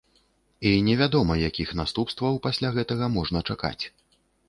І невядома, якіх наступстваў пасля гэтага можна чакаць.